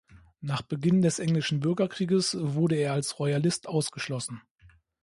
Nach Beginn des Englischen Bürgerkrieges wurde er als Royalist ausgeschlossen.